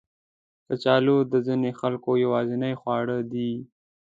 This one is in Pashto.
کچالو د ځینو خلکو یوازینی خواړه دي